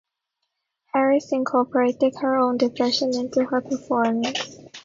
Harris incorporated her own depression into her performance.